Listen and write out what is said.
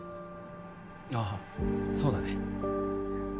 ああそうだね。